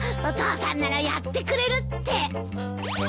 お父さんならやってくれるって。